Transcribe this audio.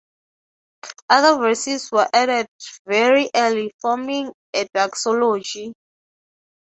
Other verses were added very early, forming a doxology.